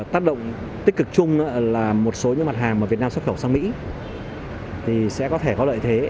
tác động tích cực chung là một số những mặt hàng mà việt nam xuất khẩu sang mỹ thì sẽ có thể có lợi thế